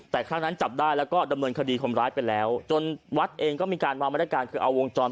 แต่ครั้งนั้นจับได้แล้วก็ดำเนินคดีคนร้ายไปแล้วจนวัดเองก็มีการวางมาตรการคือเอาวงจร